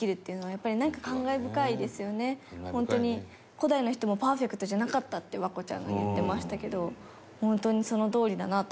古代の人もパーフェクトじゃなかったって環子ちゃんが言ってましたけどホントにそのとおりだなと思います。